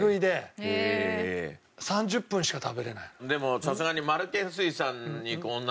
でもさすがに。